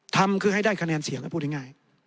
ทำคือให้ได้คะแนนเสียงพูดง่าย